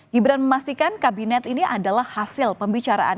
gibran memastikan kabinet ini adalah hasil pembicaraan